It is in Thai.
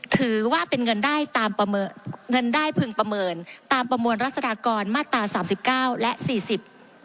ถือว่าเป็นเงินได้ตามประเมินเงินได้พึงประเมินตามประมวลรัศดากรมาตราสามสิบเก้าและสี่สิบ